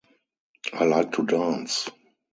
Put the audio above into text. I like to dance.